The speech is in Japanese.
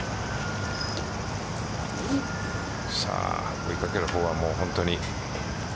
追い掛ける方は本当に。